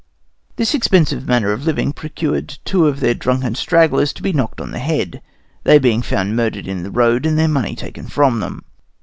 This expensive manner of living procured two of their drunken stragglers to be knocked on the head, they being found murdered in the road and their money taken from them.